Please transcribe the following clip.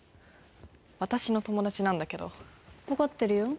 私の友達なんだけどわかってるよ